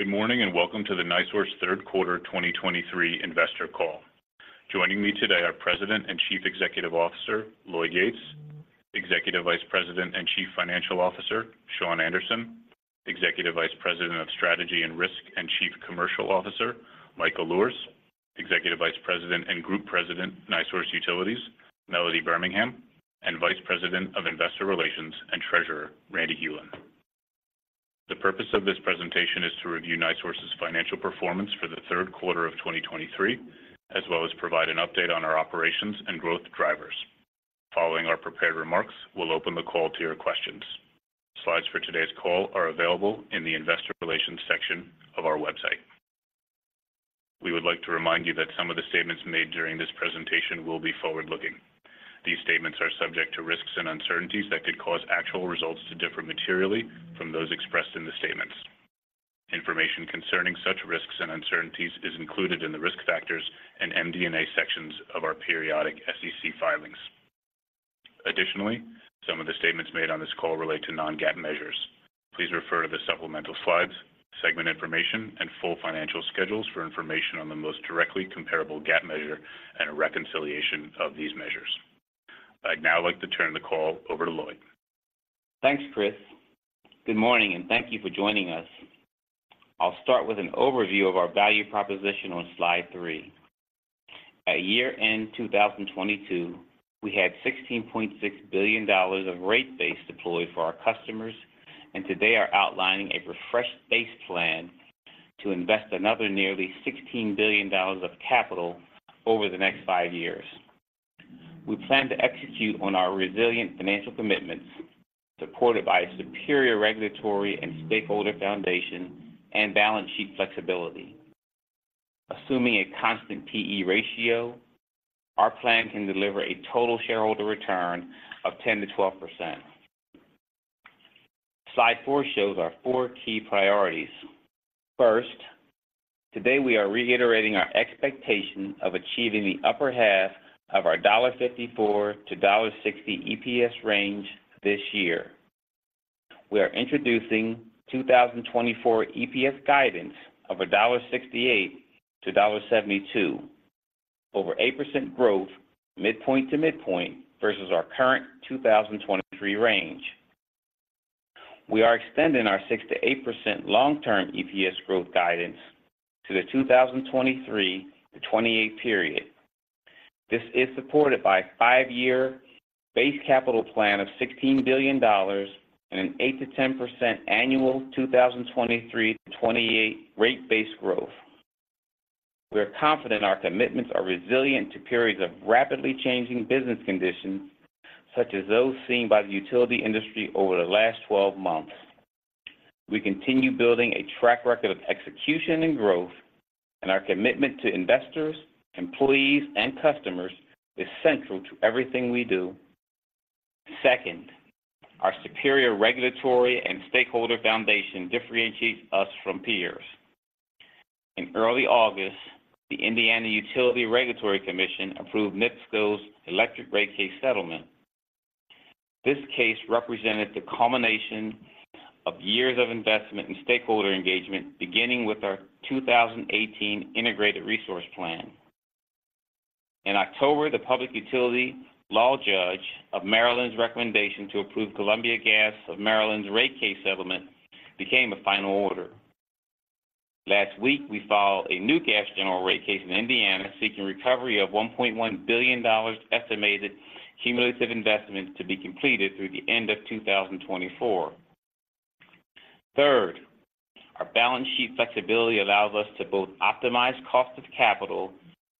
Good morning, and welcome to the NiSource Q3 2023 investor call. Joining me today are President and Chief Executive Officer, Lloyd Yates; Executive Vice President and Chief Financial Officer, Shawn Anderson; Executive Vice President of Strategy and Risk, and Chief Commercial Officer, Michael Luhrs; Executive Vice President and Group President, NiSource Utilities, Melody Birmingham; and Vice President of Investor Relations and Treasurer, Randy Hulen. The purpose of this presentation is to review NiSource's financial performance for the Q3 of 2023, as well as provide an update on our operations and growth drivers. Following our prepared remarks, we'll open the call to your questions. Slides for today's call are available in the Investor Relations section of our website. We would like to remind you that some of the statements made during this presentation will be forward-looking. These statements are subject to risks and uncertainties that could cause actual results to differ materially from those expressed in the statements. Information concerning such risks and uncertainties is included in the Risk Factors and MD&A sections of our periodic SEC filings. Additionally, some of the statements made on this call relate to non-GAAP measures. Please refer to the supplemental slides, segment information, and full financial schedules for information on the most directly comparable GAAP measure and a reconciliation of these measures. I'd now like to turn the call over to Lloyd. Thanks, Chris. Good morning, and thank you for joining us. I'll start with an overview of our value proposition on slide three. At year-end 2022, we had $16.6 billion of rate base deployed for our customers, and today are outlining a refreshed base plan to invest another nearly $16 billion of capital over the next five years. We plan to execute on our resilient financial commitments, supported by a superior regulatory and stakeholder foundation and balance sheet flexibility. Assuming a constant P/E ratio, our plan can deliver a total shareholder return of 10%-12%. Slide four shows our four key priorities. First, today, we are reiterating our expectation of achieving the upper half of our $1.54-$1.60 EPS range this year. We are introducing 2024 EPS guidance of $1.68-$1.72, over 8% growth, midpoint to midpoint, versus our current 2023 range. We are extending our 6%-8% long-term EPS growth guidance to the 2023-2028 period. This is supported by a five-year base capital plan of $16 billion and an 8%-10% annual 2023-2028 rate base growth. We are confident our commitments are resilient to periods of rapidly changing business conditions, such as those seen by the utility industry over the last twelve months. We continue building a track record of execution and growth, and our commitment to investors, employees, and customers is central to everything we do. Second, our superior regulatory and stakeholder foundation differentiates us from peers. In early August, the Indiana Utility Regulatory Commission approved NIPSCO's electric rate case settlement. This case represented the culmination of years of investment in stakeholder engagement, beginning with our 2018 integrated resource plan. In October, the public utility law judge of Maryland's recommendation to approve Columbia Gas of Maryland's rate case settlement became a final order. Last week, we filed a new gas general rate case in Indiana, seeking recovery of $1.1 billion estimated cumulative investments to be completed through the end of 2024. Third, our balance sheet flexibility allows us to both optimize cost of capital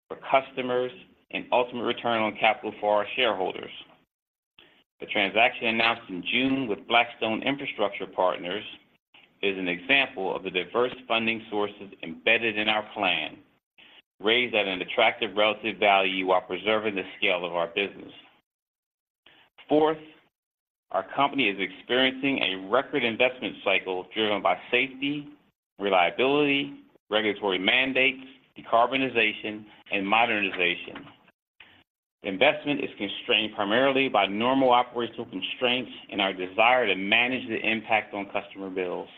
for customers and ultimate return on capital for our shareholders. The transaction announced in June with Blackstone Infrastructure Partners is an example of the diverse funding sources embedded in our plan, raised at an attractive relative value while preserving the scale of our business. Fourth, our company is experiencing a record investment cycle driven by safety, reliability, regulatory mandates, decarbonization, and modernization. Investment is constrained primarily by normal operational constraints and our desire to manage the impact on customer bills.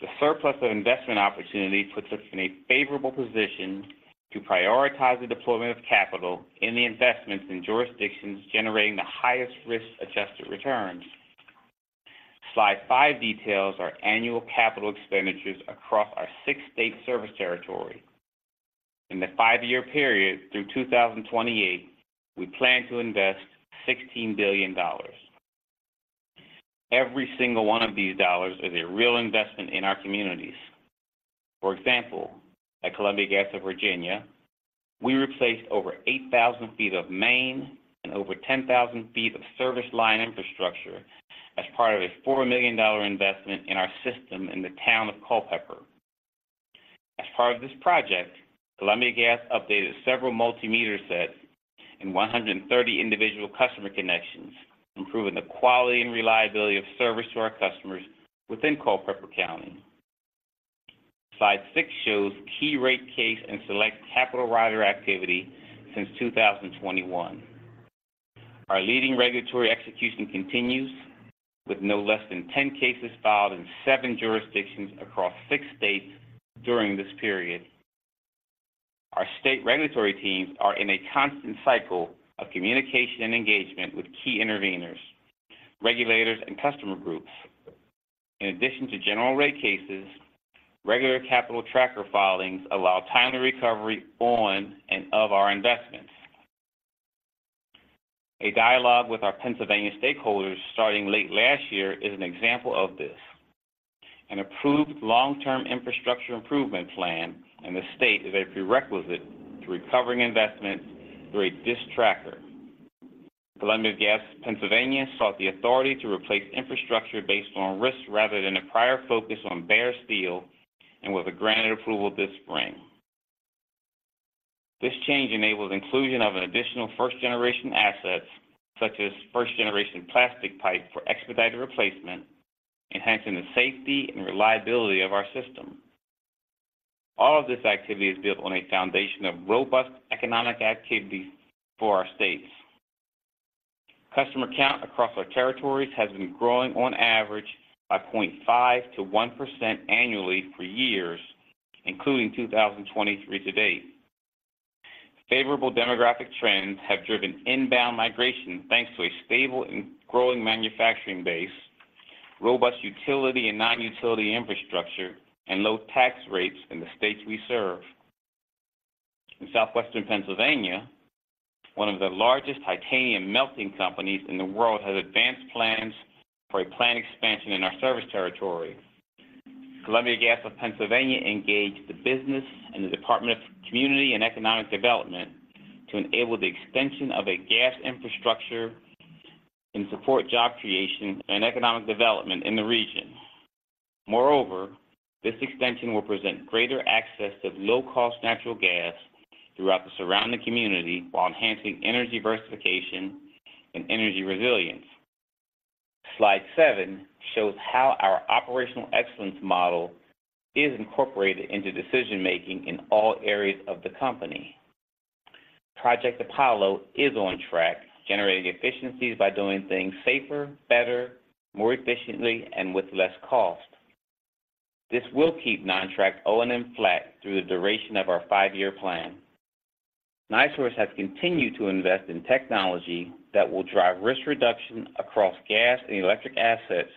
The surplus of investment opportunity puts us in a favorable position to prioritize the deployment of capital in the investments in jurisdictions generating the highest risk-adjusted returns. Slide five details our annual capital expenditures across our six-state service territory. In the five-year period through 2028, we plan to invest $16 billion. Every single one of these dollars is a real investment in our communities. For example, at Columbia Gas of Virginia, we replaced over 8,000 feet of main and over 10,000 feet of service line infrastructure as part of a $4 million investment in our system in the town of Culpeper. As part of this project, Columbia Gas updated several multi-meter sets and 130 individual customer connections, improving the quality and reliability of service to our customers within Culpeper County. Slide six shows key rate case and select capital rider activity since 2021. Our leading regulatory execution continues with no less than 10 cases filed in seven jurisdictions across six states during this period. Our state regulatory teams are in a constant cycle of communication and engagement with key interveners, regulators, and customer groups. In addition to general rate cases, regular capital tracker filings allow timely recovery on and of our investments. A dialogue with our Pennsylvania stakeholders starting late last year is an example of this. An approved long-term infrastructure improvement plan in the state is a prerequisite to recovering investments through a DSIC tracker. Columbia Gas of Pennsylvania sought the authority to replace infrastructure based on risk rather than a prior focus on bare steel and with a granted approval this spring. This change enables inclusion of an additional first-generation assets, such as first-generation plastic pipe for expedited replacement, enhancing the safety and reliability of our system. All of this activity is built on a foundation of robust economic activity for our states. Customer count across our territories has been growing on average by 0.5%-1% annually for years, including 2023 to date. Favorable demographic trends have driven inbound migration, thanks to a stable and growing manufacturing base, robust utility and non-utility infrastructure, and low tax rates in the states we serve. In Southwestern Pennsylvania, one of the largest titanium melting companies in the world has advanced plans for a plant expansion in our service territory. Columbia Gas of Pennsylvania engaged the business and the Department of Community and Economic Development to enable the extension of a gas infrastructure and support job creation and economic development in the region. Moreover, this extension will present greater access to low-cost natural gas throughout the surrounding community while enhancing energy diversification and energy resilience. Slide seven shows how our operational excellence model is incorporated into decision-making in all areas of the company. Project Apollo is on track, generating efficiencies by doing things safer, better, more efficiently, and with less cost. This will keep non-tracked O&M flat through the duration of our five-year plan. NiSource has continued to invest in technology that will drive risk reduction across gas and electric assets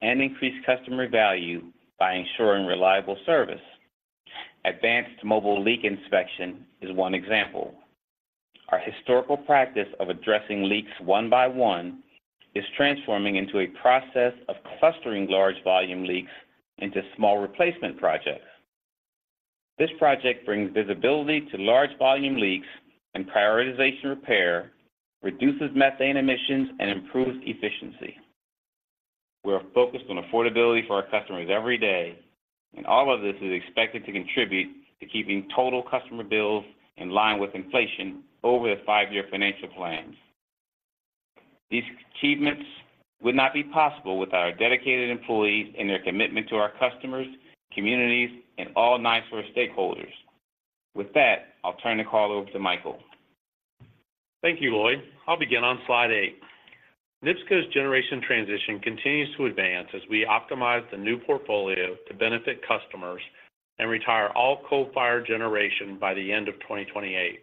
and increase customer value by ensuring reliable service. Advanced mobile leak inspection is one example. Our historical practice of addressing leaks one by one is transforming into a process of clustering large volume leaks into small replacement projects. This project brings visibility to large volume leaks and prioritization repair, reduces methane emissions, and improves efficiency. We are focused on affordability for our customers every day, and all of this is expected to contribute to keeping total customer bills in line with inflation over the five-year financial plans. These achievements would not be possible without our dedicated employees and their commitment to our customers, communities, and all NiSource stakeholders. With that, I'll turn the call over to Michael. Thank you, Lloyd. I'll begin on slide eight. NIPSCO's generation transition continues to advance as we optimize the new portfolio to benefit customers and retire all coal-fired generation by the end of 2028.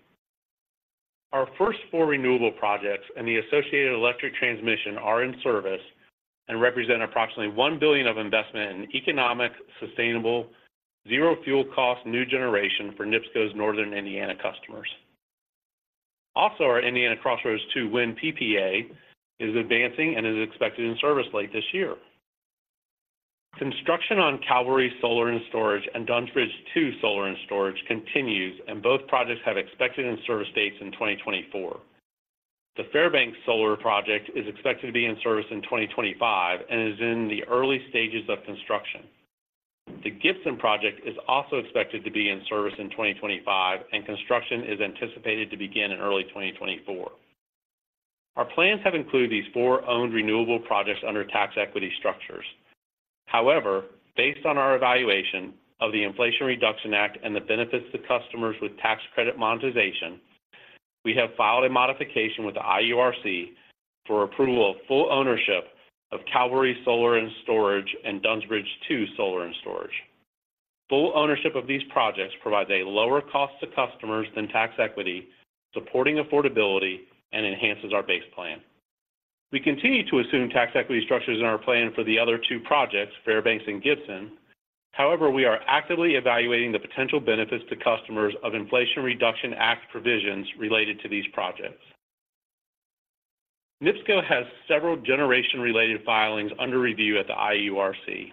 Our first four renewable projects and the associated electric transmission are in service and represent approximately $1 billion of investment in economic, sustainable, zero-fuel-cost new generation for NIPSCO's Northern Indiana customers. Also, our Indiana Crossroads II Wind PPA is advancing and is expected in service late this year. Construction on Cavalry Solar and Storage and Dunns Bridge II Solar and Storage continues, and both projects have expected in-service dates in 2024. The Fairbanks Solar project is expected to be in service in 2025 and is in the early stages of construction. The Gibson project is also expected to be in service in 2025, and construction is anticipated to begin in early 2024. Our plans have included these four owned renewable projects under tax equity structures. However, based on our evaluation of the Inflation Reduction Act and the benefits to customers with tax credit monetization, we have filed a modification with the IURC for approval of full ownership of Cavalry Solar and Storage and Dunns Bridge II Solar and Storage. Full ownership of these projects provides a lower cost to customers than tax equity, supporting affordability and enhances our base plan. We continue to assume tax equity structures in our plan for the other two projects, Fairbanks and Gibson. However, we are actively evaluating the potential benefits to customers of Inflation Reduction Act provisions related to these projects. NIPSCO has several generation-related filings under review at the IURC.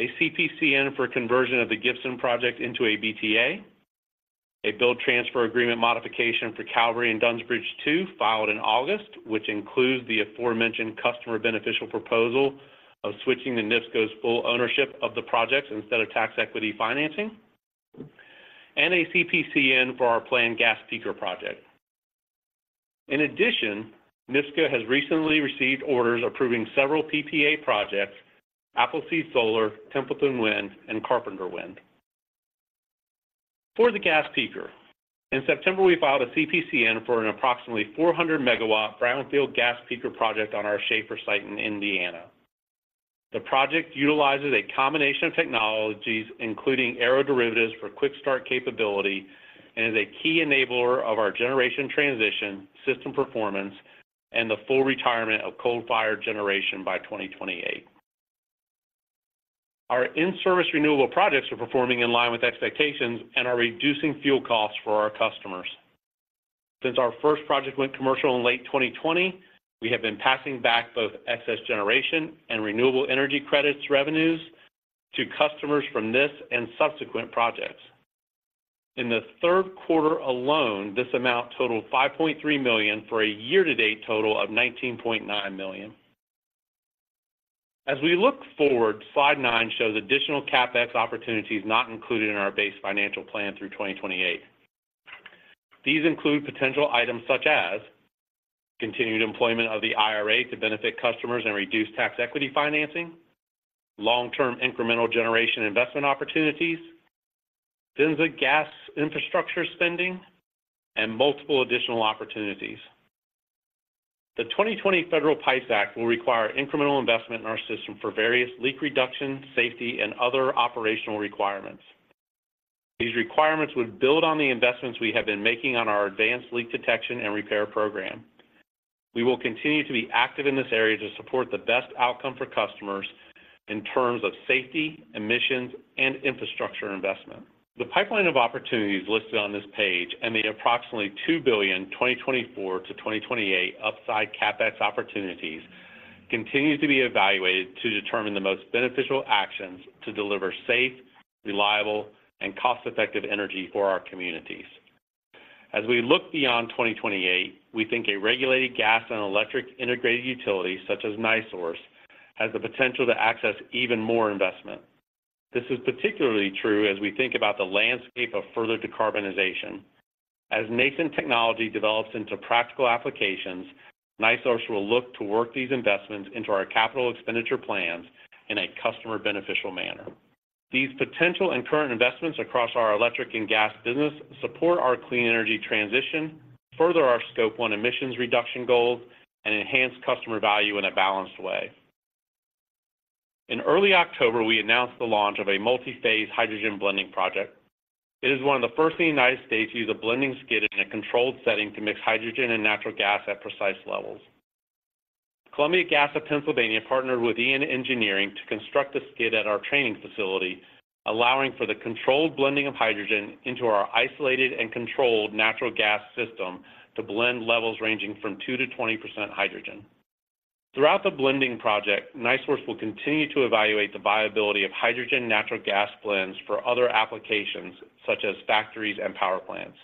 A CPCN for conversion of the Gibson project into a BTA, a build transfer agreement modification for Cavalry and Dunns Bridge II, filed in August, which includes the aforementioned customer beneficial proposal of switching to NIPSCO's full ownership of the projects instead of tax equity financing, and a CPCN for our planned gas peaker project. In addition, NIPSCO has recently received orders approving several PPA projects, Appleseed Solar, Templeton Wind, and Carpenter Wind. For the gas peaker, in September, we filed a CPCN for an approximately 400-megawatt brownfield gas peaker project on our Schahfer site in Indiana. The project utilizes a combination of technologies, including aero derivatives for quick start capability, and is a key enabler of our generation transition, system performance, and the full retirement of coal-fired generation by 2028. Our in-service renewable projects are performing in line with expectations and are reducing fuel costs for our customers. Since our first project went commercial in late 2020, we have been passing back both excess generation and renewable energy credits revenues to customers from this and subsequent projects. In the Q3 alone, this amount totaled $5.3 million for a year-to-date total of $19.9 million. As we look forward, slide nine shows additional CapEx opportunities not included in our base financial plan through 2028. These include potential items such as continued employment of the IRA to benefit customers and reduce tax equity financing, long-term incremental generation investment opportunities, PHMSA gas infrastructure spending, and multiple additional opportunities. The 2020 Federal PIPES Act will require incremental investment in our system for various leak reduction, safety, and other operational requirements. These requirements would build on the investments we have been making on our advanced leak detection and repair program. We will continue to be active in this area to support the best outcome for customers in terms of safety, emissions, and infrastructure investment. The pipeline of opportunities listed on this page and the approximately $2 billion 2024-2028 upside CapEx opportunities continues to be evaluated to determine the most beneficial actions to deliver safe, reliable, and cost-effective energy for our communities. As we look beyond 2028, we think a regulated gas and electric integrated utility, such as NiSource, has the potential to access even more investment. This is particularly true as we think about the landscape of further decarbonization. As nascent technology develops into practical applications, NiSource will look to work these investments into our capital expenditure plans in a customer beneficial manner. These potential and current investments across our electric and gas business support our clean energy transition, further our scope one emissions reduction goals, and enhance customer value in a balanced way. In early October, we announced the launch of a multi-phase hydrogen blending project. It is one of the first in the United States to use a blending skid in a controlled setting to mix hydrogen and natural gas at precise levels. Columbia Gas of Pennsylvania partnered with EN Engineering to construct a skid at our training facility, allowing for the controlled blending of hydrogen into our isolated and controlled natural gas system to blend levels ranging from 2%-20% hydrogen. Throughout the blending project, NiSource will continue to evaluate the viability of hydrogen natural gas blends for other applications, such as factories and power plants.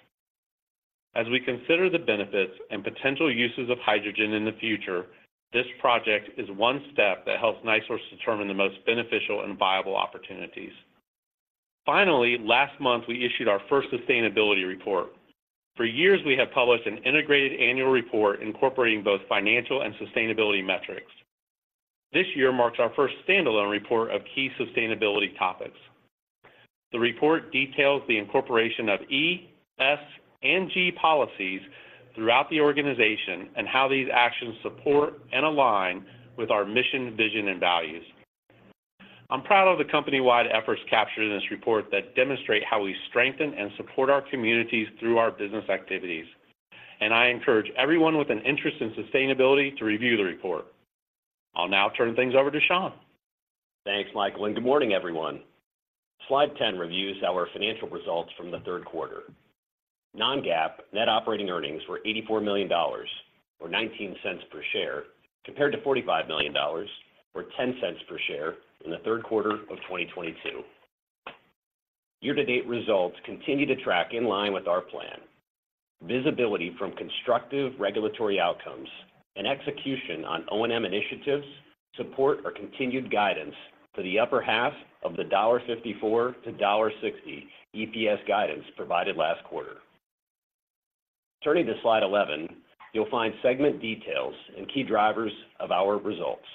As we consider the benefits and potential uses of hydrogen in the future, this project is one step that helps NiSource determine the most beneficial and viable opportunities. Finally, last month, we issued our first sustainability report. For years, we have published an integrated annual report incorporating both financial and sustainability metrics. This year marks our first standalone report of key sustainability topics. The report details the incorporation of E, S, and G policies throughout the organization and how these actions support and align with our mission, vision, and values. I'm proud of the company-wide efforts captured in this report that demonstrate how we strengthen and support our communities through our business activities, and I encourage everyone with an interest in sustainability to review the report. I'll now turn things over to Shawn. Thanks, Michael, and good morning, everyone. Slide 10 reviews our financial results from the Q3. Non-GAAP net operating earnings were $84 million or $0.19 per share, compared to $45 million or $0.1 per share in the Q3 of 2022. Year-to-date results continue to track in line with our plan. Visibility from constructive regulatory outcomes and execution on O&M initiatives support our continued guidance for the upper half of the $5.4-$6.0 EPS guidance provided last quarter. Turning to slide 11, you'll find segment details and key drivers of our results.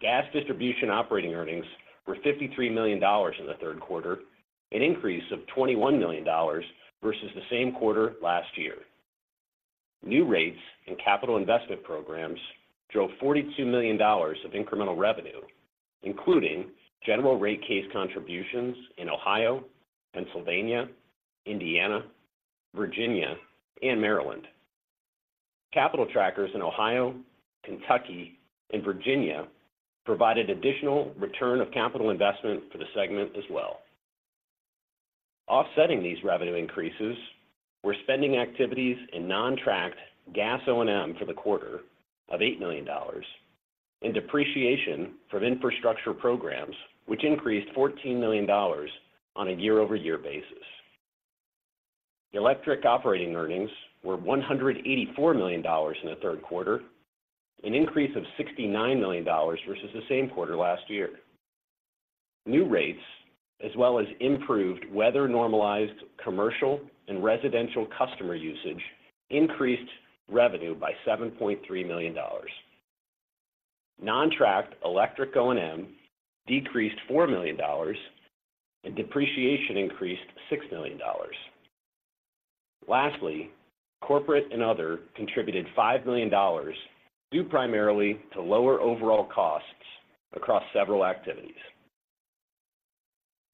Gas distribution operating earnings were $53 million in the Q3, an increase of $21 million versus the same quarter last year. New rates and capital investment programs drove $42 million of incremental revenue, including general rate case contributions in Ohio, Pennsylvania, Indiana, Virginia, and Maryland. Capital trackers in Ohio, Kentucky, and Virginia provided additional return of capital investment for the segment as well. Offsetting these revenue increases were spending activities in non-trackeded gas O&M for the quarter of $8 million and depreciation from infrastructure programs, which increased $14 million on a year-over-year basis. Electric operating earnings were $184 million in the Q3, an increase of $69 million versus the same quarter last year. New rates, as well as improved weather, normalized commercial and residential customer usage, increased revenue by $7.3 million.... non-trackeded electric O&M decreased $4 million, and depreciation increased $6 million. Lastly, corporate and other contributed $5 million, due primarily to lower overall costs across several activities.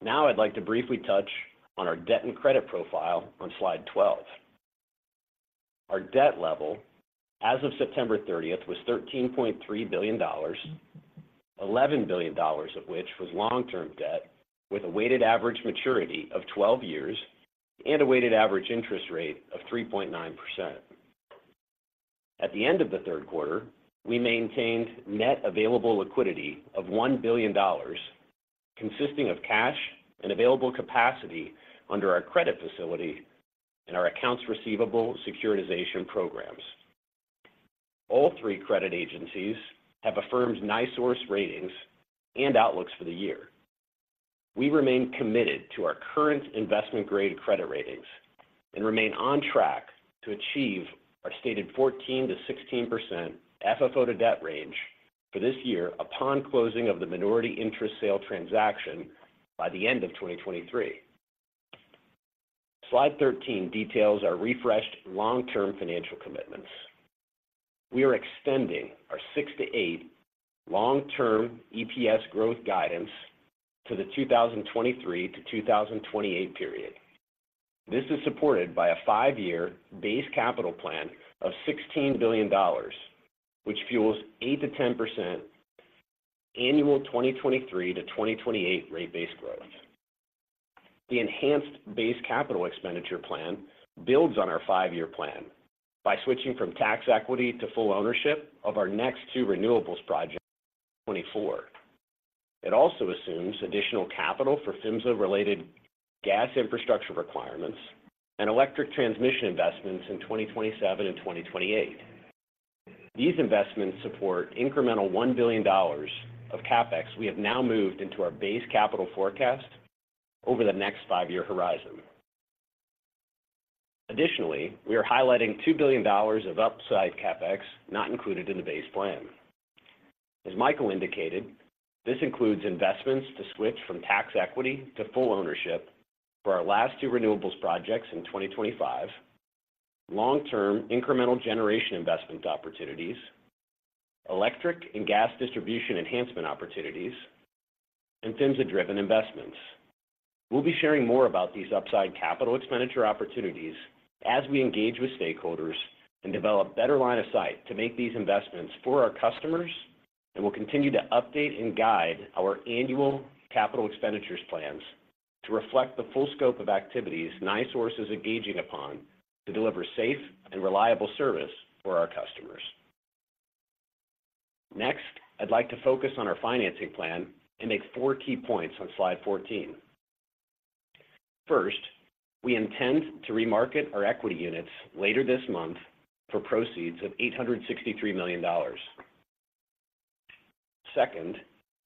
Now I'd like to briefly touch on our debt and credit profile on slide 12. Our debt level, as of September 30, was $13.3 billion, $11 billion of which was long-term debt, with a weighted average maturity of 12 years and a weighted average interest rate of 3.9%. At the end of the Q3, we maintained net available liquidity of $1 billion, consisting of cash and available capacity under our credit facility and our accounts receivable securitization programs. All three credit agencies have affirmed NiSource ratings and outlooks for the year. We remain committed to our current investment-grade credit ratings and remain on track to achieve our stated 14%-16% FFO to debt range for this year upon closing of the minority interest sale transaction by the end of 2023. Slide 13 details our refreshed long-term financial commitments. We are extending our 6%-8% long-term EPS growth guidance to the 2023-2028 period. This is supported by a five-year base capital plan of $16 billion, which fuels 8%-10% annual 2023-2028 rate base growth. The enhanced base capital expenditure plan builds on our five-year plan by switching from tax equity to full ownership of our next two renewables projects, 2024. It also assumes additional capital for PHMSA-related gas infrastructure requirements and electric transmission investments in 2027 and 2028. These investments support incremental $1 billion of CapEx we have now moved into our base capital forecast over the next five-year horizon. Additionally, we are highlighting $2 billion of upside CapEx not included in the base plan. As Michael indicated, this includes investments to switch from tax equity to full ownership for our last two renewables projects in 2025, long-term incremental generation investment opportunities, electric and gas distribution enhancement opportunities, and PHMSA-driven investments. We'll be sharing more about these upside capital expenditure opportunities as we engage with stakeholders and develop better line of sight to make these investments for our customers, and we'll continue to update and guide our annual capital expenditures plans to reflect the full scope of activities NiSource is engaging upon to deliver safe and reliable service for our customers. Next, I'd like to focus on our financing plan and make four key points on slide 14. First, we intend to remarket our equity units later this month for proceeds of $863 million. Second,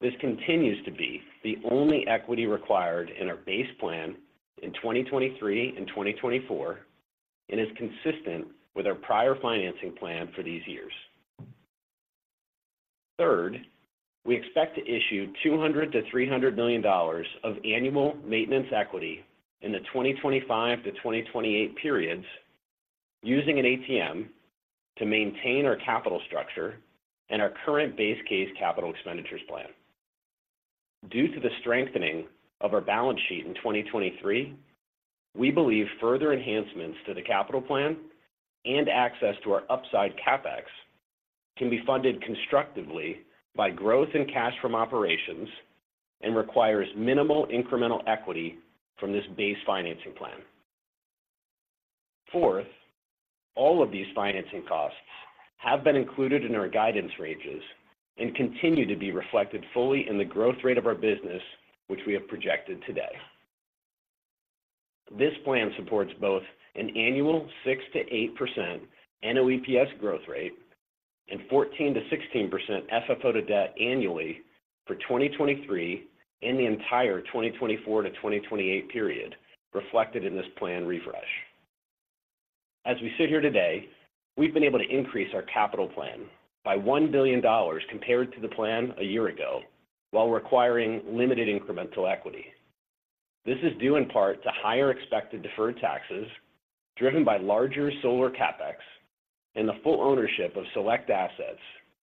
this continues to be the only equity required in our base plan in 2023 and 2024 and is consistent with our prior financing plan for these years. Third, we expect to issue $200 million-$300 million of annual maintenance equity in the 2025-2028 periods, using an ATM to maintain our capital structure and our current base case capital expenditures plan. Due to the strengthening of our balance sheet in 2023, we believe further enhancements to the capital plan and access to our upside CapEx can be funded constructively by growth in cash from operations and requires minimal incremental equity from this base financing plan. Fourth, all of these financing costs have been included in our guidance ranges and continue to be reflected fully in the growth rate of our business, which we have projected today. This plan supports both an annual 6%-8% NOEPS growth rate and 14%-16% FFO to debt annually for 2023 and the entire 2024-2028 period reflected in this plan refresh. As we sit here today, we've been able to increase our capital plan by $1 billion compared to the plan a year ago, while requiring limited incremental equity. This is due in part to higher expected deferred taxes, driven by larger solar CapEx and the full ownership of select assets,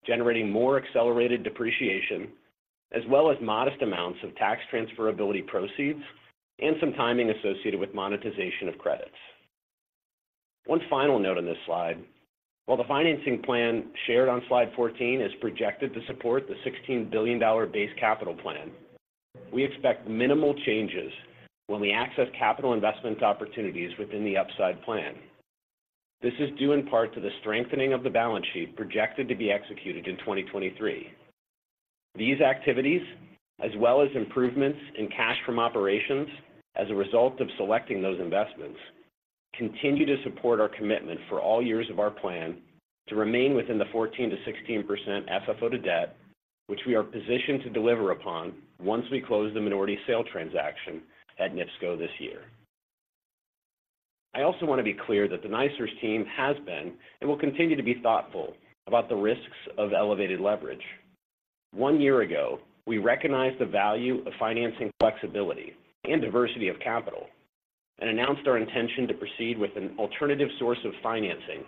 generating more accelerated depreciation, as well as modest amounts of tax transferability proceeds and some timing associated with monetization of credits. One final note on this slide: while the financing plan shared on slide 14 is projected to support the $16 billion base capital plan, we expect minimal changes when we access capital investment opportunities within the upside plan. This is due in part to the strengthening of the balance sheet projected to be executed in 2023. These activities, as well as improvements in cash from operations as a result of selecting those investments, continue to support our commitment for all years of our plan to remain within the 14%-16% FFO to debt, which we are positioned to deliver upon once we close the minority sale transaction at NIPSCO this year. I also want to be clear that the NiSource team has been, and will continue to be thoughtful about the risks of elevated leverage. One year ago, we recognized the value of financing flexibility and diversity of capital, and announced our intention to proceed with an alternative source of financing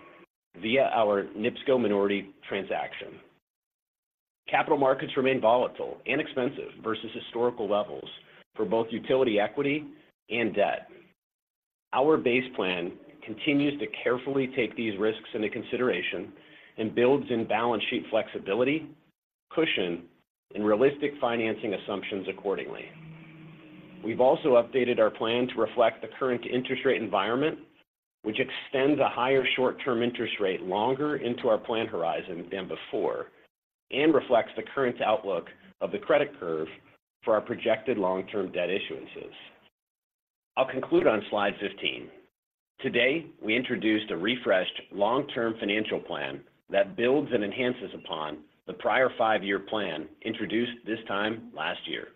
via our NIPSCO minority transaction. Capital markets remain volatile and expensive versus historical levels for both utility, equity, and debt. Our base plan continues to carefully take these risks into consideration and builds in balance sheet flexibility, cushion, and realistic financing assumptions accordingly. We've also updated our plan to reflect the current interest rate environment, which extends a higher short-term interest rate longer into our plan horizon than before, and reflects the current outlook of the credit curve for our projected long-term debt issuances. I'll conclude on slide 15. Today, we introduced a refreshed long-term financial plan that builds and enhances upon the prior five-year plan introduced this time last year.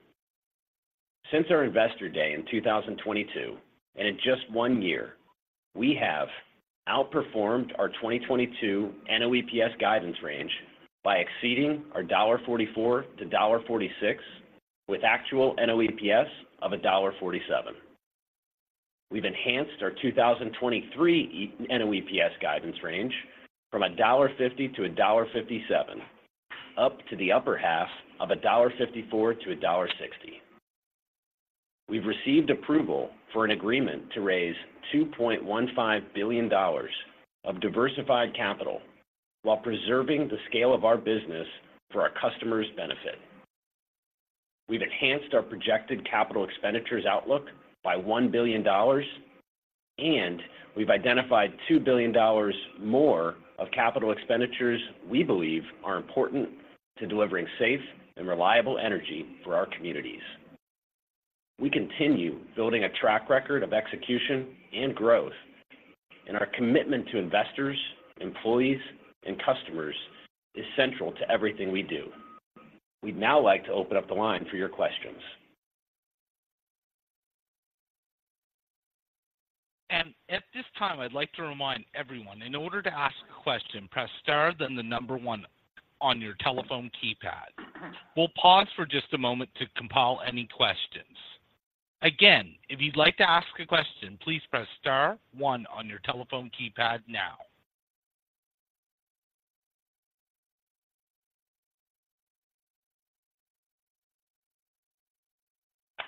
Since our Investor Day in 2022, and in just one year, we have outperformed our 2022 NOEPS guidance range by exceeding our $1.44-$1.46, with actual NOEPS of $1.47. We've enhanced our 2023 NOEPS guidance range from $1.50-$1.57, up to the upper half of $1.54-$1.60. We've received approval for an agreement to raise $2.15 billion of diversified capital while preserving the scale of our business for our customers' benefit. We've enhanced our projected capital expenditures outlook by $1 billion, and we've identified $2 billion more of capital expenditures we believe are important to delivering safe and reliable energy for our communities. We continue building a track record of execution and growth, and our commitment to investors, employees, and customers is central to everything we do. We'd now like to open up the line for your questions. At this time, I'd like to remind everyone, in order to ask a question, press star, then the number one on your telephone keypad. We'll pause for just a moment to compile any questions. Again, if you'd like to ask a question, please press star one on your telephone keypad now.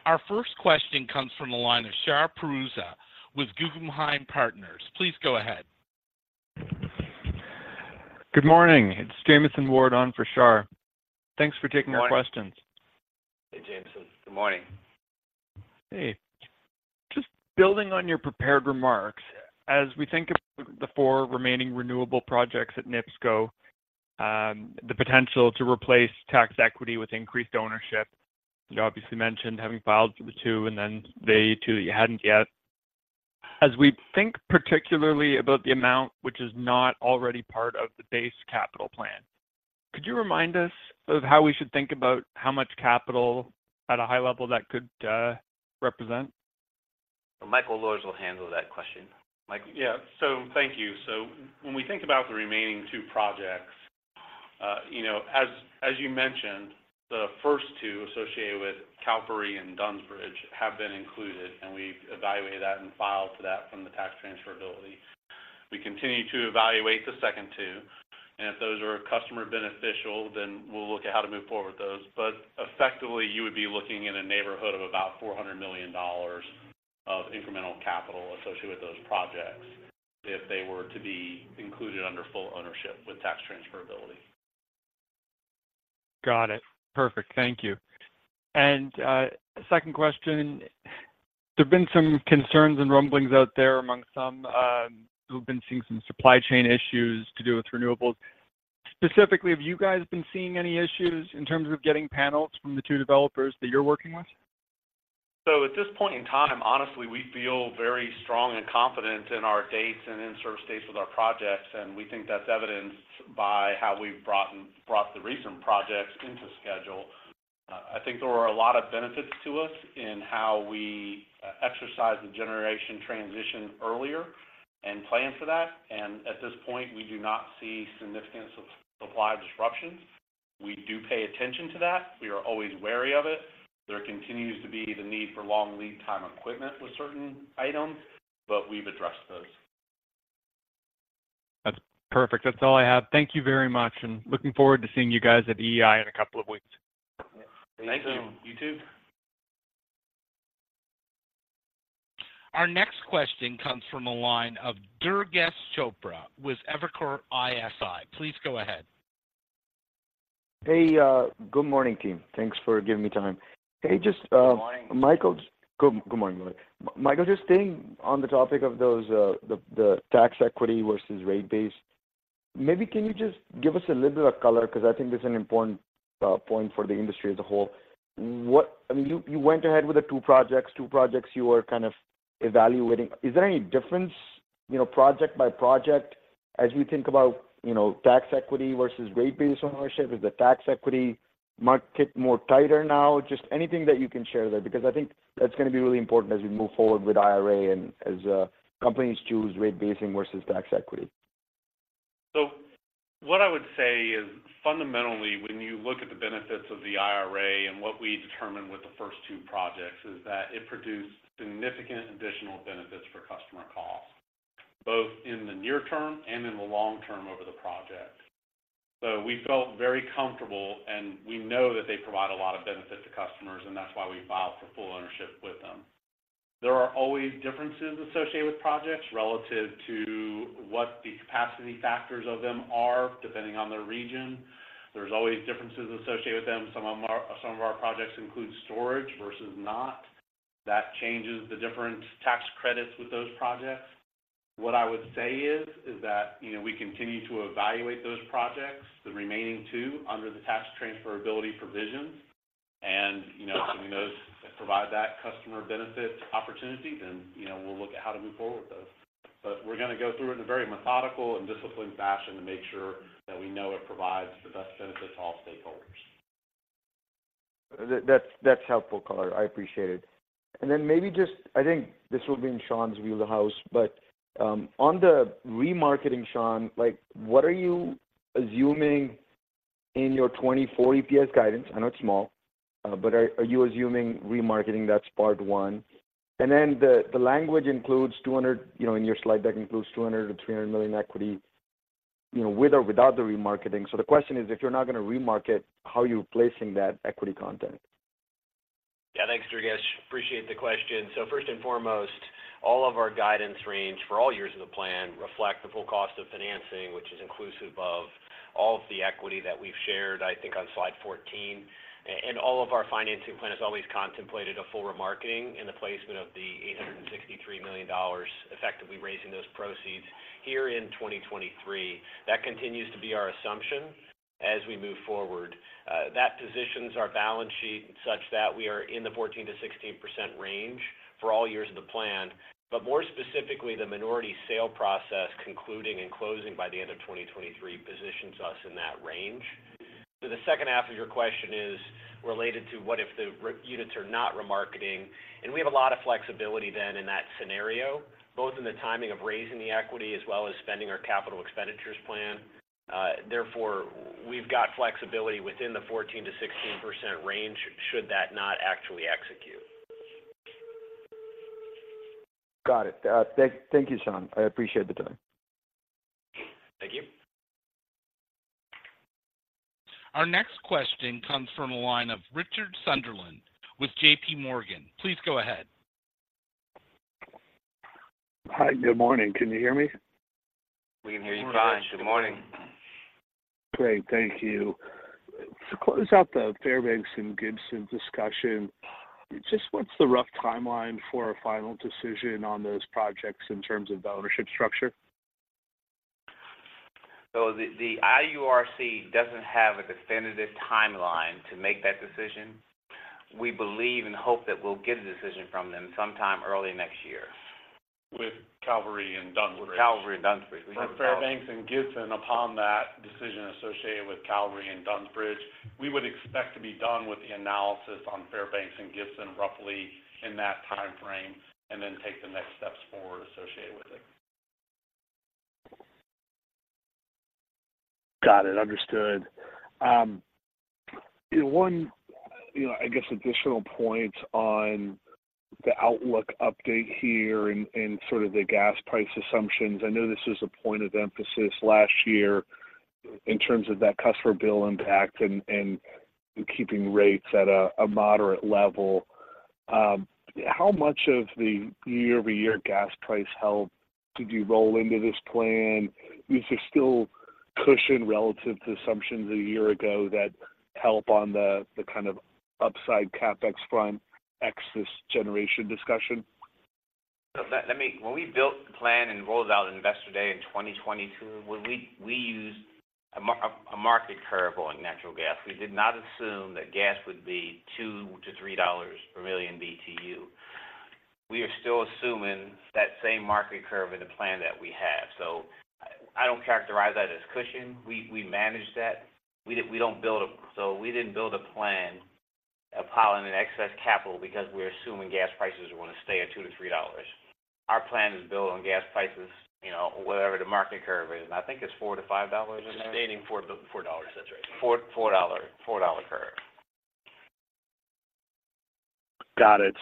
Our first question comes from the line of Shar Pourreza with Guggenheim Partners. Please go ahead. Good morning, it's Jamieson Ward on for Shar. Thanks for taking our questions. Good morning. Hey, Jamison. Good morning. Hey, just building on your prepared remarks, as we think about the four remaining renewable projects at NIPSCO, the potential to replace tax equity with increased ownership, you obviously mentioned having filed for the two and then the two that you hadn't yet. As we think, particularly about the amount which is not already part of the base capital plan, could you remind us of how we should think about how much capital at a high level that could represent? Michael Luhrs will handle that question. Michael? Yeah. So thank you. So when we think about the remaining two projects, you know, as, as you mentioned, the first two associated with Cavalry and Dunns Bridge have been included, and we've evaluated that and filed for that from the Tax Transferability. We continue to evaluate the second two, and if those are customer beneficial, then we'll look at how to move forward with those. But effectively, you would be looking in a neighborhood of about $400 million of incremental capital associated with those projects, if they were to be included under full ownership with Tax Transferability. Got it. Perfect. Thank you. And second question, there have been some concerns and rumblings out there among some who've been seeing some supply chain issues to do with renewables. Specifically, have you guys been seeing any issues in terms of getting panels from the two developers that you're working with? So at this point in time, honestly, we feel very strong and confident in our dates and in sort of stays with our projects, and we think that's evidenced by how we've brought the recent projects into schedule. I think there were a lot of benefits to us in how we exercised the generation transition earlier and planned for that. And at this point, we do not see significant supply disruptions. We do pay attention to that. We are always wary of it. There continues to be the need for long lead time equipment with certain items, but we've addressed those. That's perfect. That's all I have. Thank you very much, and looking forward to seeing you guys at EI in a couple of weeks. Thank you. You too. Our next question comes from a line of Durgesh Chopra with Evercore ISI. Please go ahead. Hey, good morning, team. Thanks for giving me time. Hey, just, Good morning. Michael, good morning, Michael. Michael, just staying on the topic of those, the tax equity versus rate base, maybe can you just give us a little bit of color? Because I think this is an important point for the industry as a whole. What - I mean, you went ahead with the two projects you were kind of evaluating. Is there any difference - you know, project by project, as you think about, you know, tax equity versus rate-based ownership, is the tax equity market more tighter now? Just anything that you can share there, because I think that's gonna be really important as we move forward with IRA and as companies choose rate basing versus tax equity. So what I would say is, fundamentally, when you look at the benefits of the IRA and what we determined with the first two projects, is that it produced significant additional benefits for customer cost, both in the near term and in the long term over the project. So we felt very comfortable, and we know that they provide a lot of benefit to customers, and that's why we filed for full ownership with them. There are always differences associated with projects relative to what the capacity factors of them are, depending on the region. There's always differences associated with them. Some of our projects include storage versus not. That changes the different tax credits with those projects. What I would say is that, you know, we continue to evaluate those projects, the remaining two, under the tax transferability provisions. You know, if those provide that customer benefit opportunity, then, you know, we'll look at how to move forward with those. But we're gonna go through it in a very methodical and disciplined fashion to make sure that we know it provides the best benefit to all stakeholders. That's helpful, color. I appreciate it. And then maybe just—I think this will be in Shawn's wheelhouse, but on the remarketing, Shawn, like, what are you assuming in your 2024 EPS guidance? I know it's small, but are you assuming remarketing? That's part one. And then the language includes $200 million, you know, in your slide deck, includes $200 million-$300 million equity, you know, with or without the remarketing. So the question is, if you're not gonna remarket, how are you placing that equity content? Yeah, thanks, Durgesh. Appreciate the question. So first and foremost, all of our guidance range for all years of the plan reflect the full cost of financing, which is inclusive of all of the equity that we've shared, I think, on slide 14. And all of our financing plan has always contemplated a full remarketing in the placement of the $863 million, effectively raising those proceeds here in 2023. That continues to be our assumption as we move forward. That positions our balance sheet such that we are in the 14%-16% range for all years of the plan. But more specifically, the minority sale process concluding and closing by the end of 2023 positions us in that range. So the second half of your question is related to what if the units are not remarketing? We have a lot of flexibility then in that scenario, both in the timing of raising the equity as well as spending our capital expenditures plan. Therefore, we've got flexibility within the 14%-16% range, should that not actually execute. Got it. Thank you, Shawn. I appreciate the time. Thank you. Our next question comes from the line of Richard Sunderland with JP Morgan. Please go ahead. Hi, good morning. Can you hear me? We can hear you fine. Good morning. Great. Thank you. To close out the Fairbanks and Gibson discussion, just what's the rough timeline for a final decision on those projects in terms of the ownership structure? So the IURC doesn't have a definitive timeline to make that decision. We believe and hope that we'll get a decision from them sometime early next year. With Cavalry and Dunns Bridge. With Cavalry and Dunns Bridge. With Fairbanks and Gibson, upon that decision associated with Cavalry and Dunns Bridge, we would expect to be done with the analysis on Fairbanks and Gibson roughly in that time frame, and then take the next steps forward associated with it. Got it. Understood. One, you know, I guess additional point on the outlook update here and, and sort of the gas price assumptions. I know this was a point of emphasis last year in terms of that customer bill impact and, and keeping rates at a, a moderate level. How much of the year-over-year gas price help did you roll into this plan? Is there still cushion relative to assumptions a year ago that help on the, the kind of upside CapEx front, except this generation discussion? So let me. When we built the plan and rolled it out at Investor Day in 2022, when we used a market curve on natural gas. We did not assume that gas would be $2-$3 per million BTU. We are still assuming that same market curve in the plan that we have. So I don't characterize that as cushion. We managed that. We don't build a—so we didn't build a plan of piling in excess capital because we're assuming gas prices are gonna stay at $2-$3. Our plan is built on gas prices, you know, whatever the market curve is, and I think it's $4-$5. It's stating $4.4. That's right. $4, $4 curve. Got it.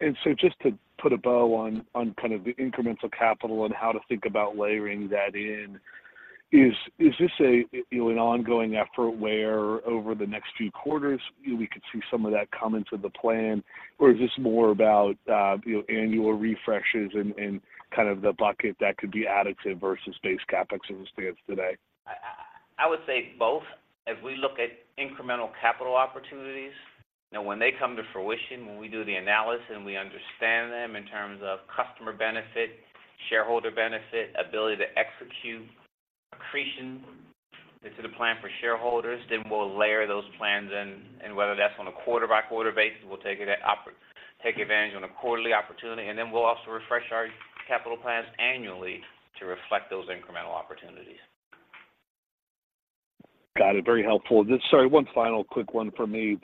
And so just to put a bow on kind of the incremental capital and how to think about layering that in, is this a, you know, an ongoing effort where over the next few quarters, we could see some of that come into the plan? Or is this more about, you know, annual refreshes and kind of the bucket that could be additive versus base CapEx as it stands today? I would say both. If we look at incremental capital opportunities, and when they come to fruition, when we do the analysis, and we understand them in terms of customer benefit, shareholder benefit, ability to execute accretion plan for shareholders, then we'll layer those plans in. And whether that's on a quarter-by-quarter basis, we'll take advantage on a quarterly opportunity, and then we'll also refresh our capital plans annually to reflect those incremental opportunities. Got it. Very helpful. Just, sorry, one final quick one for me.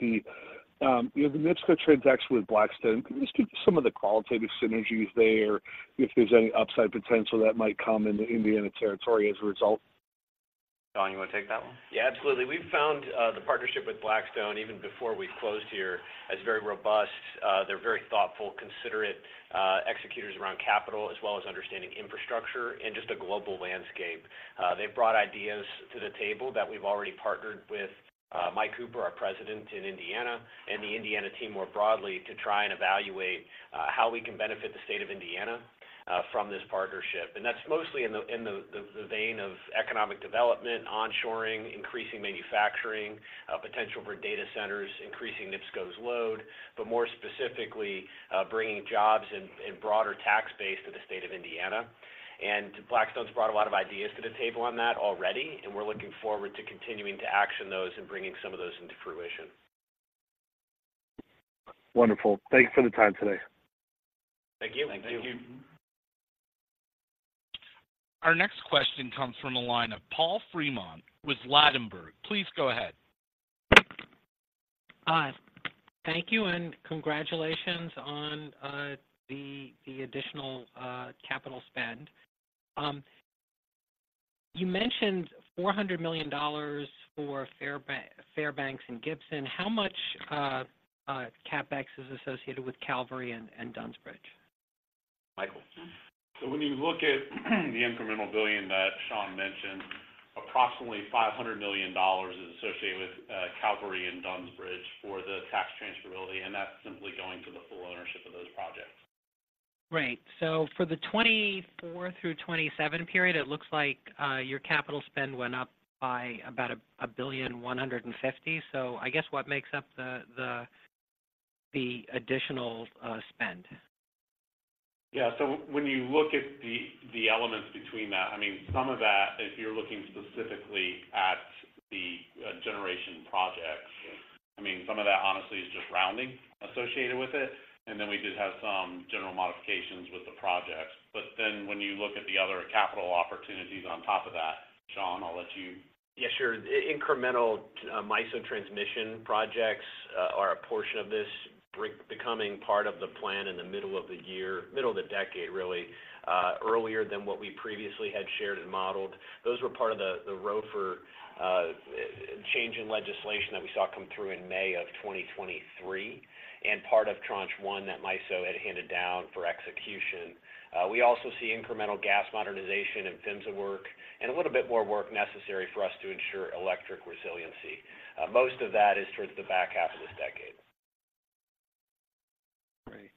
The, you know, the NIPSCO transaction with Blackstone, can you just give some of the qualitative synergies there, if there's any upside potential that might come in the Indiana territory as a result? Shawn, you want to take that one? Yeah, absolutely. We've found the partnership with Blackstone, even before we closed here, as very robust. They're very thoughtful, considerate executors around capital, as well as understanding infrastructure and just the global landscape. They've brought ideas to the table that we've already partnered with Mike Cooper, our President in Indiana, and the Indiana team, more broadly, to try and evaluate how we can benefit the state of Indiana from this partnership. And that's mostly in the vein of economic development, onshoring, increasing manufacturing potential for data centers, increasing NIPSCO's load, but more specifically bringing jobs and broader tax base to the state of Indiana. And Blackstone's brought a lot of ideas to the table on that already, and we're looking forward to continuing to action those and bringing some of those into fruition. Wonderful. Thanks for the time today. Thank you. Thank you. Our next question comes from the line of Paul Fremont with Ladenburg. Please go ahead. Hi. Thank you, and congratulations on the additional capital spend. You mentioned $400 million for Fairbanks and Gibson. How much CapEx is associated with Cavalry and Dunns Bridge? Michael? So when you look at the incremental $1 billion that Shawn mentioned, approximately $500 million is associated with Cavalry and Dunns Bridge for the tax transferability, and that's simply going to the full ownership of those projects. Right. So for the 2024-2027 period, it looks like your capital spend went up by about $1.15 billion. So I guess what makes up the additional spend? Yeah, so when you look at the elements between that, I mean, some of that, if you're looking specifically at the generation projects, I mean, some of that honestly is just rounding associated with it, and then we did have some general modifications with the projects. But then when you look at the other capital opportunities on top of that, Shawn, I'll let you. Yeah, sure. The incremental, MISO transmission projects, are a portion of this break becoming part of the plan in the middle of the year, middle of the decade, really, earlier than what we previously had shared and modeled. Those were part of the, the road for, change in legislation that we saw come through in May of 2023, and part of Tranche One that MISO had handed down for execution. We also see incremental gas modernization and PHMSA work, and a little bit more work necessary for us to ensure electric resiliency. Most of that is towards the back half of this decade. Great.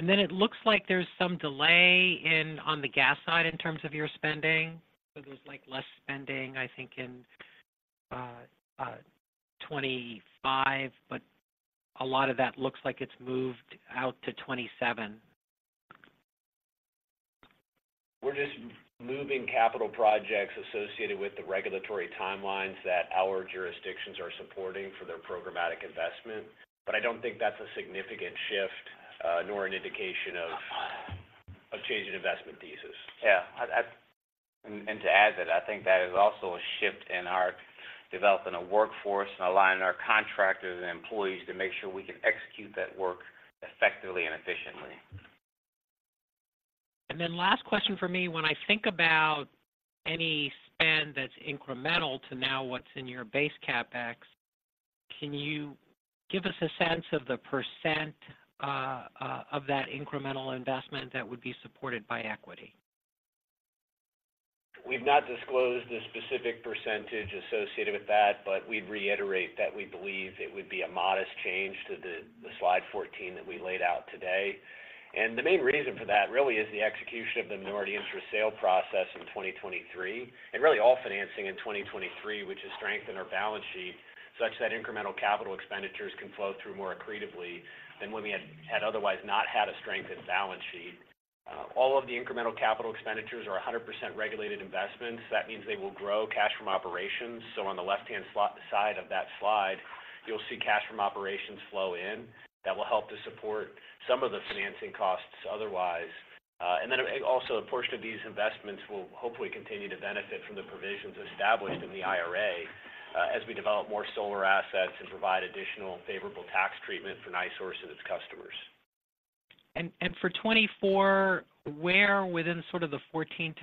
Then it looks like there's some delay in on the gas side in terms of your spending. There's, like, less spending, I think, in 2025, but a lot of that looks like it's moved out to 2027. We're just moving capital projects associated with the regulatory timelines that our jurisdictions are supporting for their programmatic investment. But I don't think that's a significant shift, nor an indication of changing investment thesis. Yeah, and to add that, I think that is also a shift in our developing a workforce and aligning our contractors and employees to make sure we can execute that work effectively and efficiently. Last question for me. When I think about any spend that's incremental to now what's in your base CapEx, can you give us a sense of the percent of that incremental investment that would be supported by equity? We've not disclosed the specific percentage associated with that, but we'd reiterate that we believe it would be a modest change to the slide 14 that we laid out today. The main reason for that, really, is the execution of the minority interest sale process in 2023, and really all financing in 2023, which has strengthened our balance sheet such that incremental capital expenditures can flow through more accretively than when we had otherwise not had a strengthened balance sheet. All of the incremental capital expenditures are 100% regulated investments. That means they will grow cash from operations. So on the left-hand side of that slide, you'll see cash from operations flow in. That will help to support some of the financing costs otherwise. Also, a portion of these investments will hopefully continue to benefit from the provisions established in the IRA, as we develop more solar assets and provide additional favorable tax treatment for NiSource and its customers. For 2024, where within sort of the 14%-16%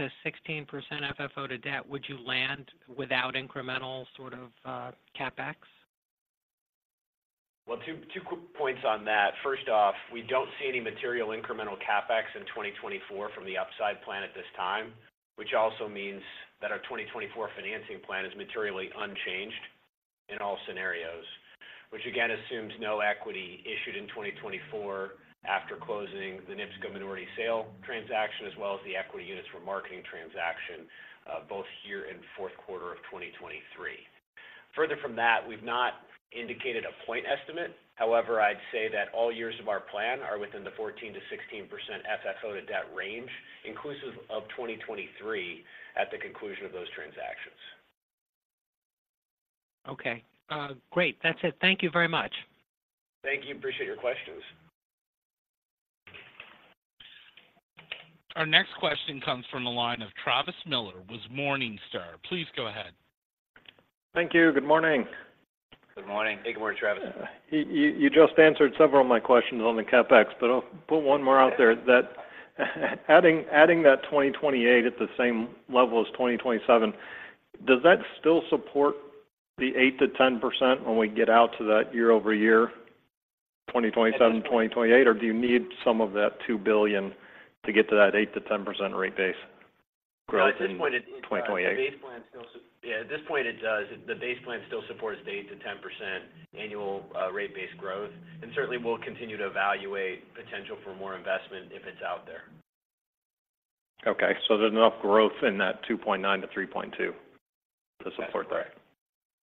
FFO to debt would you land without incremental sort of CapEx? Well, two, two quick points on that. First off, we don't see any material incremental CapEx in 2024 from the upside plan at this time, which also means that our 2024 financing plan is materially unchanged in all scenarios. Which again, assumes no equity issued in 2024 after closing the NIPSCO minority sale transaction, as well as the equity units for marketing transaction, both here in fourth quarter of 2023. Further from that, we've not indicated a point estimate. However, I'd say that all years of our plan are within the 14%-16% FFO to debt range, inclusive of 2023, at the conclusion of those transactions. Okay. Great. That's it. Thank you very much. Thank you. Appreciate your questions. Our next question comes from the line of Travis Miller. Good morning sir. Please go ahead. Thank you. Good morning. Good morning. Good morning, Travis. You just answered several of my questions on the CapEx, but I'll put one more out there. Adding that 2028 at the same level as 2027, does that still support the 8%-10% when we get out to that year-over-year, 2027-2028? Or do you need some of that $2 billion to get to that 8%-10% rate base growth in 2028? Yeah, at this point, it does. The base plan still supports 8%-10% annual rate base growth, and certainly we'll continue to evaluate potential for more investment if it's out there. Okay. So there's enough growth in that 2.9-3.2 to support that?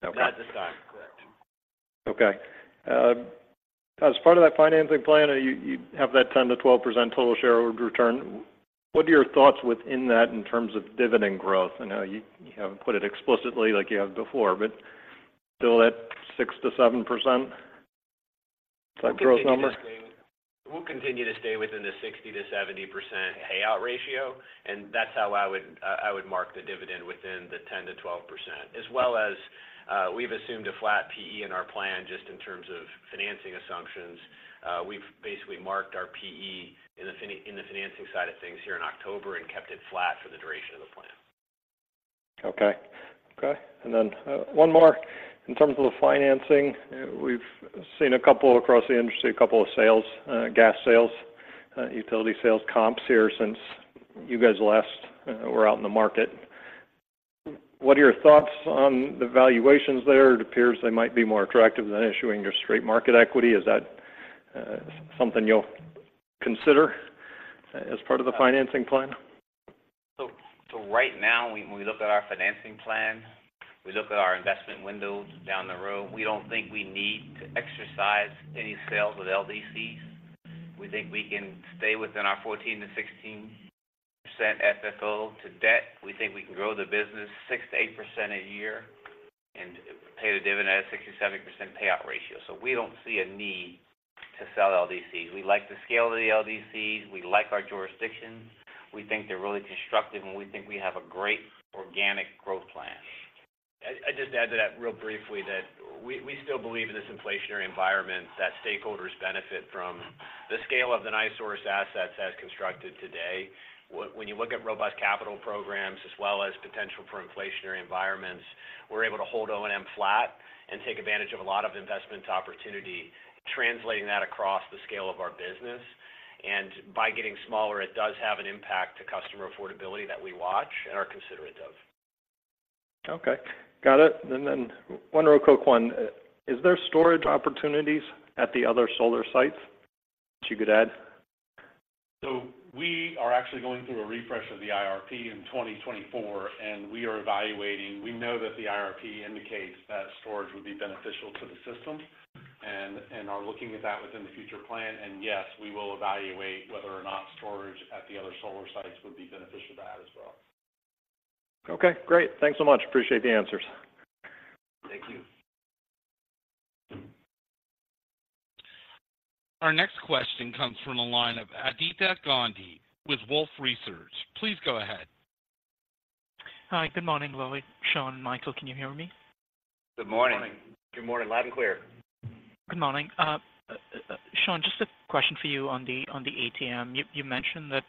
That's correct. Okay. At this time, correct. Okay. As part of that financing plan, you have that 10%-12% total shareholder return. What are your thoughts within that in terms of dividend growth? I know you haven't put it explicitly like you have before, but still at 6%-7%, is that growth number? We'll continue to stay within the 60%-70% payout ratio, and that's how I would mark the dividend within the 10%-12%. As well as, we've assumed a flat P/E in our plan, just in terms of financing assumptions. We've basically marked our P/E in the financing side of things here in October and kept it flat for the duration of the plan. Okay. Okay, and then, one more. In terms of the financing, we've seen a couple across the industry, a couple of sales, gas sales, utility sales comps here since you guys last, were out in the market. What are your thoughts on the valuations there? It appears they might be more attractive than issuing your straight market equity. Is that, something you'll consider as part of the financing plan? So, so right now, when we look at our financing plan, we look at our investment windows down the road, we don't think we need to exercise any sales with LDCs. We think we can stay within our 14%-16% FFO to debt. We think we can grow the business 6%-8% a year and pay the dividend at a 67% payout ratio. So we don't see a need to sell LDCs. We like the scale of the LDCs, we like our jurisdictions. We think they're really constructive, and we think we have a great organic growth plan. I'd just add to that, real briefly, that we still believe in this inflationary environment, that stakeholders benefit from the scale of the NiSource assets as constructed today. When you look at robust capital programs as well as potential for inflationary environments, we're able to hold O&M flat and take advantage of a lot of investment opportunity, translating that across the scale of our business. And by getting smaller, it does have an impact to customer affordability that we watch and are considerate of. Okay, got it. And then one real quick one. Is there storage opportunities at the other solar sites that you could add? So we are actually going through a refresh of the IRP in 2024, and we are evaluating. We know that the IRP indicates that storage would be beneficial to the system and are looking at that within the future plan, and yes, we will evaluate whether or not storage at the other solar sites would be beneficial to that as well. Okay, great. Thanks so much. Appreciate the answers. Thank you. Our next question comes from the line of Aditya Gandhi with Wolfe Research. Please go ahead. Hi, good morning, Lloyd, Shawn, Michael, can you hear me? Good morning. Good morning. Good morning, loud and clear. Good morning. Shawn, just a question for you on the ATM. You mentioned that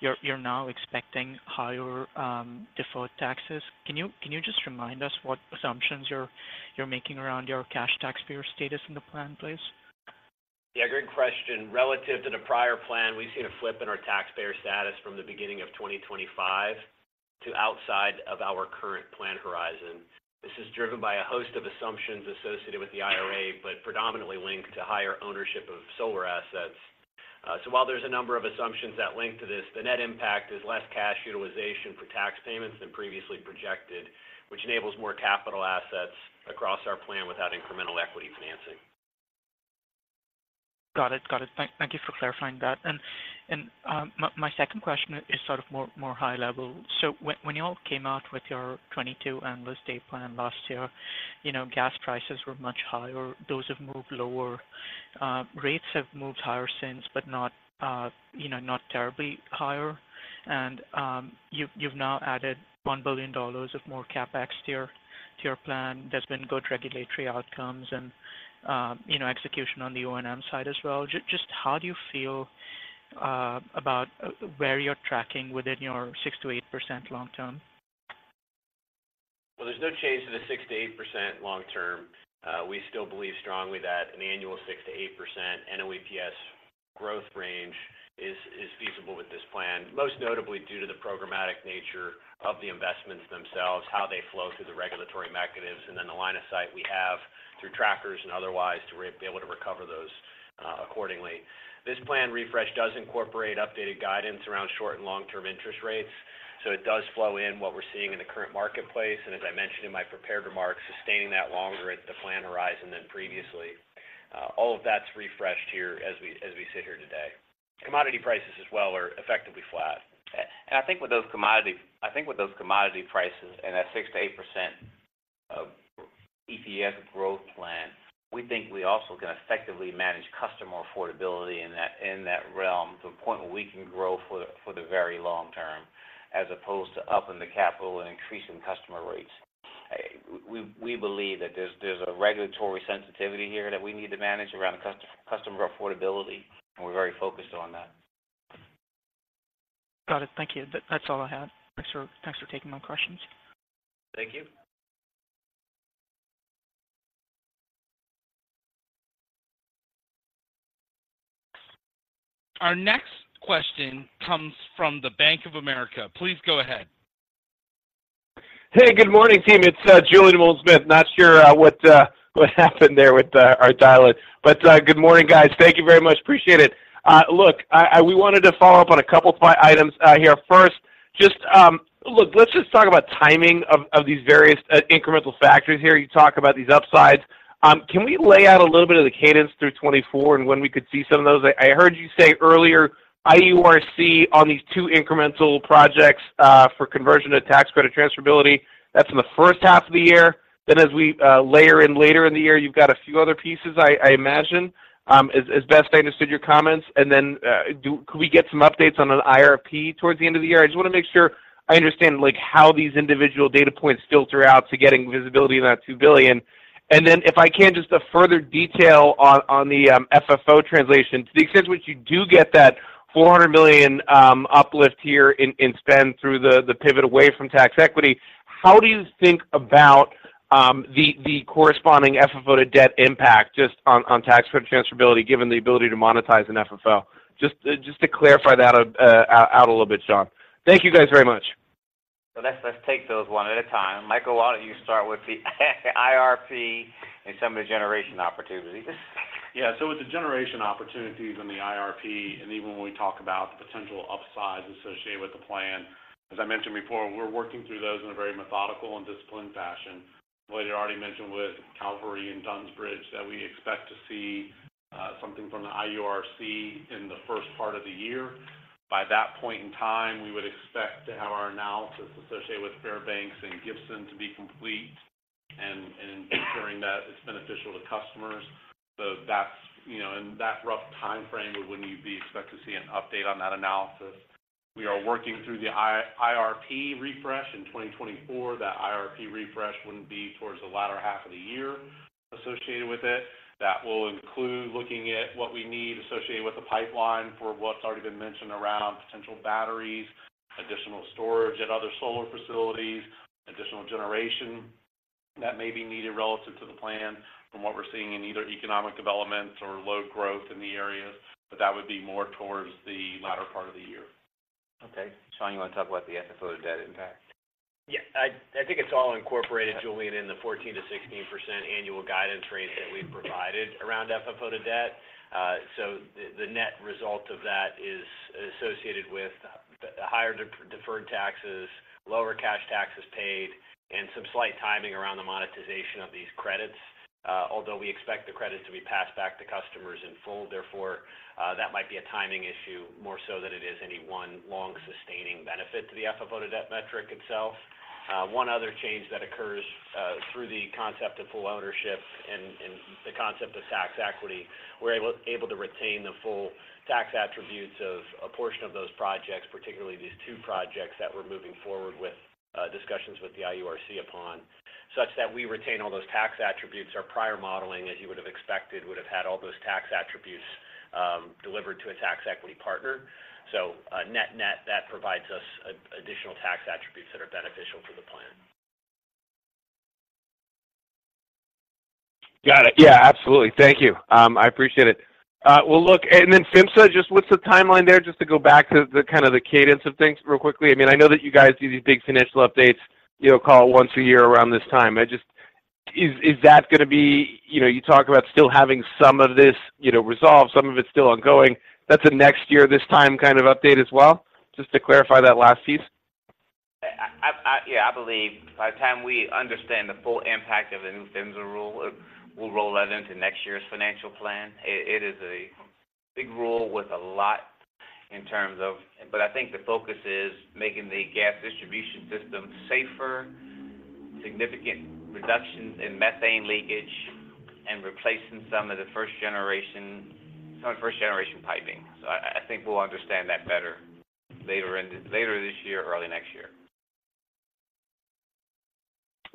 you're now expecting higher default taxes. Can you just remind us what assumptions you're making around your cash taxpayer status in the plan, please? Yeah, great question. Relative to the prior plan, we've seen a flip in our taxpayer status from the beginning of 2025 to outside of our current plan horizon. This is driven by a host of assumptions associated with the IRA, but predominantly linked to higher ownership of solar assets. So while there's a number of assumptions that link to this, the net impact is less cash utilization for tax payments than previously projected, which enables more capital assets across our plan without incremental equity financing. Got it, got it. Thank you for clarifying that. And my second question is sort of more high level. So when you all came out with your 2022 annual rate plan last year, you know, gas prices were much higher. Those have moved lower. Rates have moved higher since, but not, you know, not terribly higher. And you've now added $1 billion of more CapEx to your plan. There's been good regulatory outcomes and, you know, execution on the O&M side as well. Just how do you feel about where you're tracking within your 6%-8% long term? Well, there's no change to the 6%-8% long-term. We still believe strongly that an annual 6%-8% NOEPS growth range is feasible with this plan. Most notably, due to the programmatic nature of the investments themselves, how they flow through the regulatory mechanisms, and then the line of sight we have- ... through trackers and otherwise to be able to recover those accordingly. This plan refresh does incorporate updated guidance around short and long-term interest rates, so it does flow in what we're seeing in the current marketplace. And as I mentioned in my prepared remarks, sustaining that longer at the plan horizon than previously. All of that's refreshed here as we sit here today. Commodity prices as well are effectively flat. I think with those commodity prices and that 6%-8% EPS growth plan, we think we also can effectively manage customer affordability in that realm to a point where we can grow for the very long term, as opposed to upping the capital and increasing customer rates. We believe that there's a regulatory sensitivity here that we need to manage around customer affordability, and we're very focused on that. Got it. Thank you. That's all I had. Thanks for taking my questions. Thank you. Our next question comes from the Bank of America. Please go ahead. Hey, good morning, team. It's Julien Dumoulin-Smith. Not sure what happened there with our dial-in. But good morning, guys. Thank you very much. Appreciate it. Look, we wanted to follow up on a couple of items here. First, just look, let's just talk about timing of these various incremental factors here. You talk about these upsides. Can we lay out a little bit of the cadence through 2024 and when we could see some of those? I heard you say earlier, IURC on these two incremental projects for conversion to tax credit transferability. That's in the first half of the year. Then as we layer in later in the year, you've got a few other pieces, I imagine, as best I understood your comments. And then, could we get some updates on an IRP towards the end of the year? I just want to make sure I understand, like, how these individual data points filter out to getting visibility on that $2 billion. And then if I can, just a further detail on the FFO translation. To the extent which you do get that $400 million uplift here in spend through the pivot away from tax equity, how do you think about the corresponding FFO to debt impact just on tax credit transferability, given the ability to monetize an FFO? Just, just to clarify that out a little bit, Shawn. Thank you guys very much. So let's, let's take those one at a time. Michael, why don't you start with the IRP and some of the generation opportunities? Yeah, so with the generation opportunities in the IRP, and even when we talk about the potential upsides associated with the plan, as I mentioned before, we're working through those in a very methodical and disciplined fashion. Well, you already mentioned with Cavalry and Dunns Bridge that we expect to see something from the IURC in the first part of the year. By that point in time, we would expect to have our analysis associated with Fairbanks and Gibson to be complete and ensuring that it's beneficial to customers. So that's, you know, in that rough time frame of when you'd expect to see an update on that analysis. We are working through the IRP refresh in 2024. That IRP refresh wouldn't be towards the latter half of the year associated with it. That will include looking at what we need associated with the pipeline for what's already been mentioned around potential batteries, additional storage at other solar facilities, additional generation that may be needed relative to the plan from what we're seeing in either economic development or load growth in the areas, but that would be more towards the latter part of the year. Okay. Shawn, you want to talk about the FFO to debt impact? Yeah, I think it's all incorporated, Julian, in the 14%-16% annual guidance range that we've provided around FFO to debt. So the net result of that is associated with higher deferred taxes, lower cash taxes paid, and some slight timing around the monetization of these credits. Although we expect the credits to be passed back to customers in full, therefore that might be a timing issue more so than it is any one long-sustaining benefit to the FFO to debt metric itself. One other change that occurs through the concept of full ownership and the concept of tax equity, we're able to retain the full tax attributes of a portion of those projects, particularly these two projects that we're moving forward with discussions with the IURC upon, such that we retain all those tax attributes. Our prior modeling, as you would have expected, would have had all those tax attributes, delivered to a Tax Equity partner. So, net-net, that provides us additional tax attributes that are beneficial for the plan. Got it. Yeah, absolutely. Thank you. I appreciate it. Well, look, and then PHMSA, just what's the timeline there? Just to go back to the kind of the cadence of things real quickly. I mean, I know that you guys do these big financial updates, you know, call it once a year around this time. I just— Is, is that going to be, you know, you talk about still having some of this, you know, resolved, some of it's still ongoing. That's a next year, this time kind of update as well? Just to clarify that last piece. Yeah, I believe by the time we understand the full impact of the new PHMSA rule, we'll roll that into next year's financial plan. It is a big rule with a lot in terms of... But I think the focus is making the gas distribution system safer, significant reductions in methane leakage, and replacing some of the first generation piping. So I think we'll understand that better later this year, early next year.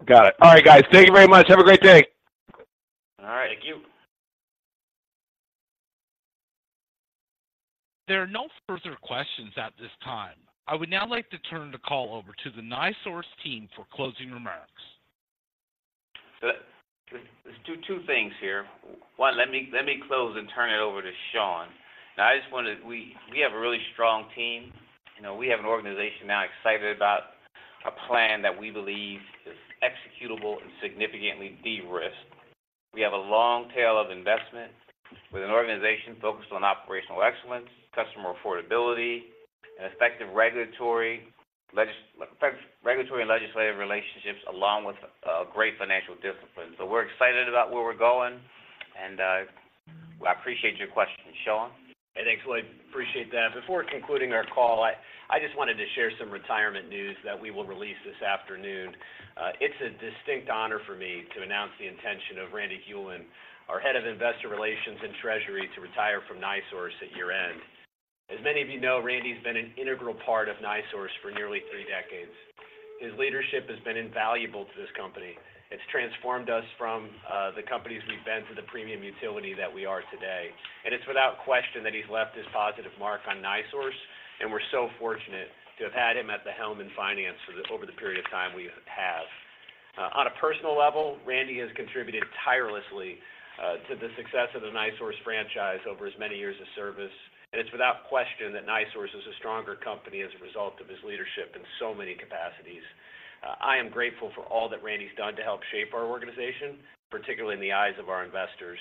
Got it. All right, guys. Thank you very much. Have a great day. All right. Thank you. There are no further questions at this time. I would now like to turn the call over to the NiSource team for closing remarks. So let's do two things here. One, let me close and turn it over to Shawn. I just wanted. We have a really strong team. You know, we have an organization now excited about a plan that we believe is executable and significantly de-risked. We have a long tail of investment with an organization focused on operational excellence, customer affordability, and effective regulatory and legislative relationships, along with great financial discipline. So we're excited about where we're going, and I appreciate your question, Shawn. Hey, thanks, Lloyd. Appreciate that. Before concluding our call, I just wanted to share some retirement news that we will release this afternoon. It's a distinct honor for me to announce the intention of Randy Hulen, our Head of Investor Relations and Treasury, to retire from NiSource at year-end. As many of you know, Randy's been an integral part of NiSource for nearly three decades. His leadership has been invaluable to this company. It's transformed us from the companies we've been to the premium utility that we are today. And it's without question that he's left his positive mark on NiSource, and we're so fortunate to have had him at the helm in finance for over the period of time we have had. On a personal level, Randy has contributed tirelessly to the success of the NiSource franchise over his many years of service, and it's without question that NiSource is a stronger company as a result of his leadership in so many capacities. I am grateful for all that Randy's done to help shape our organization, particularly in the eyes of our investors.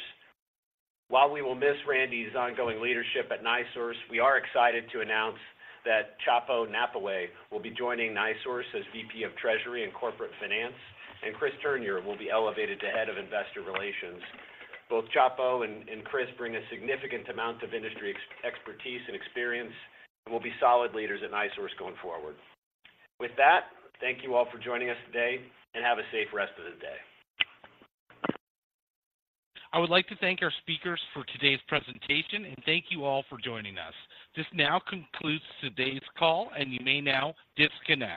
While we will miss Randy's ongoing leadership at NiSource, we are excited to announce that Tchapo Napoe will be joining NiSource as VP of Treasury and Corporate Finance, and Chris Turnure will be elevated to Head of Investor Relations. Both Tchapo and Chris bring a significant amount of industry expertise and experience and will be solid leaders at NiSource going forward. With that, thank you all for joining us today, and have a safe rest of the day. I would like to thank our speakers for today's presentation and thank you all for joining us. This now concludes today's call, and you may now disconnect.